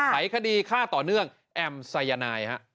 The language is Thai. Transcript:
ไข้คดีฆ่าต่อเนื่องแอมไซยานาย